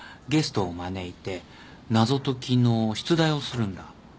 ゲストを招いて謎解きの出題をするんだ。